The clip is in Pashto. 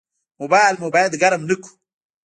موبایل مو باید ګرم نه کړو.